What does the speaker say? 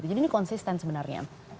jadi ini konsisten sebenarnya